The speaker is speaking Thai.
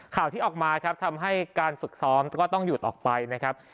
ข่าวที่ออกมาครับทำให้การฝึกซ้อมก็ต้องหยุดออกไปนะครับ